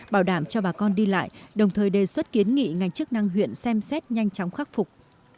bảo đảm cho bà con đi lại đồng thời đề xuất kiến nghị ngành chức năng huyện xem xét nhanh chóng khắc phục